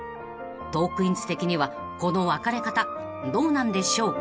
［トークィーンズ的にはこの別れ方どうなんでしょうか？］